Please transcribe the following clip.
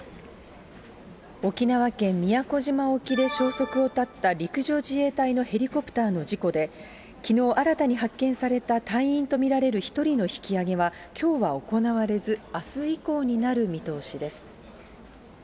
沖縄県宮古島沖で消息を絶った陸上自衛隊のヘリコプターの事故で、きのう新たに発見された隊員と見られる１人の引き揚げは、きょうは行われず、あす以降になる見通しです。